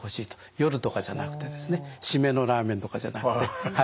夜とかじゃなくてですね締めのラーメンとかじゃなくて。